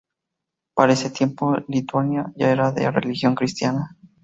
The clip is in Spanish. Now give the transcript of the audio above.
Para ese tiempo, Lituania ya era de religión cristiana.